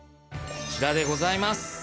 こちらでございます。